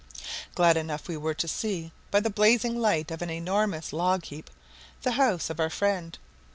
Glad enough we were to see, by the blazing light of an enormous log heap, the house of our friend.